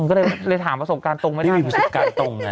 ก็เลยถามประสบการณ์ตรงไม่ได้ประสบการณ์ตรงไง